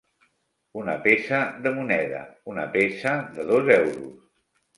Una peça de moneda, una peça de dos euros.